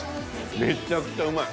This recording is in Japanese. めちゃくちゃうまい。